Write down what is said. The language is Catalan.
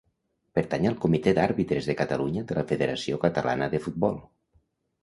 Pertany al Comitè d'Àrbitres de Catalunya de la Federació Catalana de Futbol.